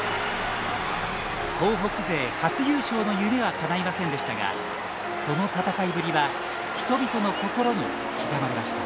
東北勢初優勝の夢はかないませんでしたがその戦いぶりは人々の心に刻まれました。